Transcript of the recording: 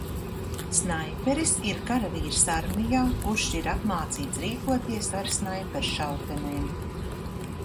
Snaiperis ir karavīrs armijā, kurš ir apmācīts rīkoties ar snaiperšautenēm.